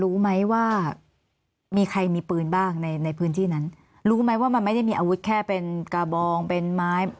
รู้ไหมว่ามีใครมีปืนบ้างในในพื้นที่นั้นรู้ไหมว่ามันไม่ได้มีอาวุธแค่เป็นกระบองเป็นไม้